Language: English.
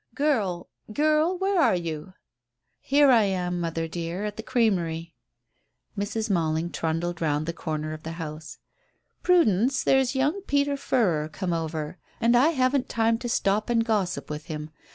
"Girl girl, where are you?" "Here I am, mother dear, at the creamery." Mrs. Malling trundled round the corner of the house. "Prudence, there's young Peter Furrer come over, and I haven't time to stop and gossip with him.